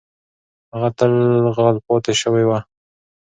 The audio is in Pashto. هغه تل غلې پاتې شوې ده.